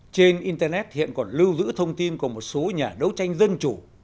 trên internet hiện còn lưu giữ thông tin của một số nhà đấu tranh dân chủ